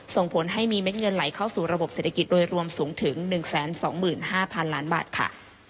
ส่งผลให้มีเม็ดเงินไหลเข้าสู่ระบบเศรษฐกิจโดยรวมสูงถึง๑๒๕๐๐๐ล้านบาทค่ะ